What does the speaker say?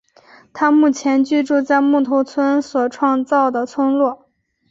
他目前居住在木头村所创造的村落。